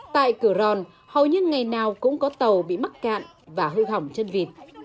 tại cửa ròn hầu như ngày nào cũng có tàu bị mắc cạn và hư hỏng chân vịt